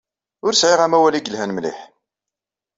Ur sɛiɣ amawal ay yelhan mliḥ.